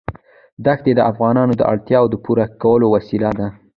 دښتې د افغانانو د اړتیاوو د پوره کولو وسیله ده.